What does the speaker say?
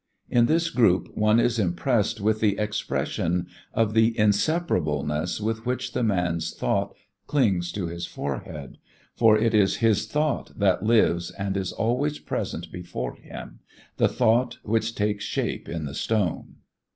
In this group one is impressed with the expression of the inseparableness with which the man's thought clings to his forehead; for it is his thought that lives and is always present before him, the thought which takes shape in the stone.